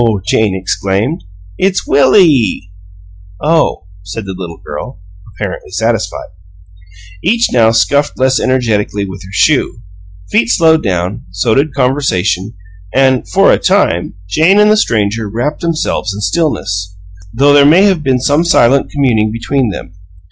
Jane exclaimed. "It's WILLIE!" "Oh," said the little girl, apparently satisfied. Each now scuffed less energetically with her shoe; feet slowed down; so did conversation, and, for a time, Jane and the stranger wrapped themselves in stillness, though there may have been some silent communing between them.